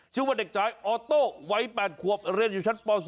ชื่อว่าเด็กชายออโต้วัย๘ขวบเรียนอยู่ชั้นป๒